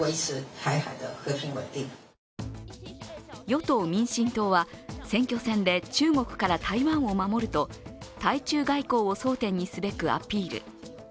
与党・民進党は選挙戦で中国から台湾を守ると対中外交を争点にすべくアピール。